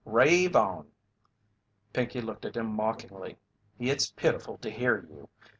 "Rave on!" Pinkey looked at him mockingly. "It's pitiful to hear you.